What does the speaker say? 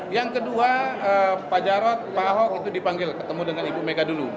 yang kedua pak jarod pak ahok itu dipanggil ketemu dengan ibu mega dulu